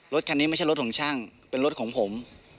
รถคันนี้ไม่ใช่รถของช่างเป็นรถของผม